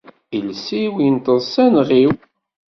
Iles-iw inṭeḍ s aneɣ-iw.